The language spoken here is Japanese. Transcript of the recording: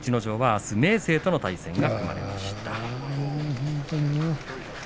あす、明生との対戦が組まれました。